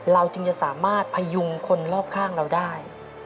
เราจึงจะสามารถพยุงคนรอบข้างเราได้